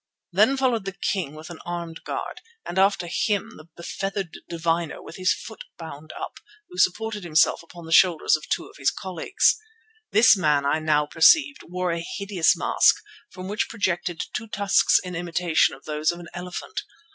Then followed the king with an armed guard, and after him the befeathered diviner with his foot bound up, who supported himself upon the shoulders of two of his colleagues. This man, I now perceived, wore a hideous mask, from which projected two tusks in imitation of those of an elephant.